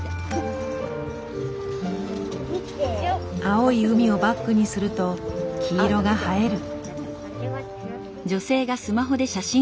青い海をバックにすると黄色が映える。